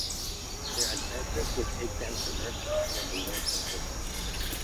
Their adventures would take them to Earth where the war continued.